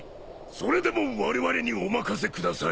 それでもわれわれにお任せください。